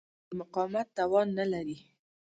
د مقاومت توان نه لري.